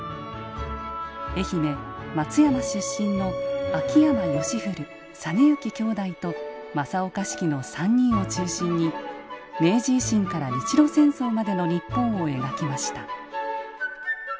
愛媛・松山出身の秋山好古真之兄弟と正岡子規の３人を中心に明治維新から日露戦争までの日本を描きました。